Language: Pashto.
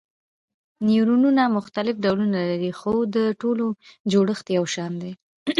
نیورونونه مختلف ډولونه لري خو د ټولو جوړښت یو شان دی.